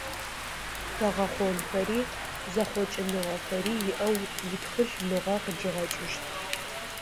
Хэгъэхъонхэри зэхъокӏыныгъэхэри иӏэу итхылъ мыгъэ къыдигъэкӏыщт.